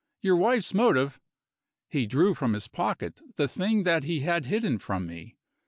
Your wife's motive " He drew from his pocket the thing that he had hidden from me.